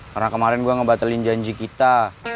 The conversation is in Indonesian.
karena kemarin gue ngebatalin janji kita